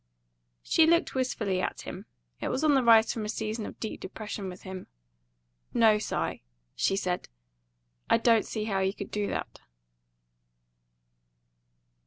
She looked wistfully at him; it was on the rise from a season of deep depression with him. "No, Si," she said; "I don't see how you could do that."